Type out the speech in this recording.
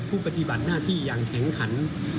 ปฏิบัติหน้าที่อย่างแข็งขัน